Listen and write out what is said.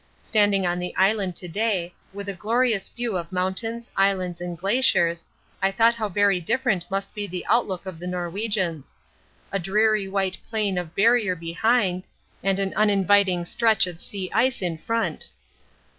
Standing on the island to day with a glorious view of mountains, islands, and glaciers, I thought how very different must be the outlook of the Norwegians. A dreary white plain of Barrier behind and an uninviting stretch of sea ice in front.